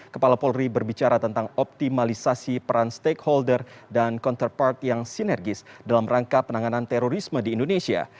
kepala polri berbicara tentang optimalisasi peran stakeholder dan counterpart yang sinergis dalam rangka penanganan terorisme di indonesia